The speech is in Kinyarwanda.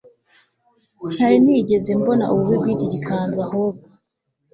ntarinigeze mbona ububi bwiki gikanzu ahubwo